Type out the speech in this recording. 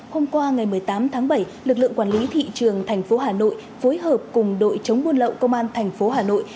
hôm qua ngày một mươi tám tháng bảy lực lượng quản lý thị trường tp hà nội phối hợp cùng đội chống buôn lậu công an tp hà nội